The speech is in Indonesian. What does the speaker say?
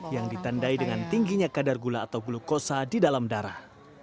yang ditandai dengan tingginya kadar gula atau glukosa di dalam darah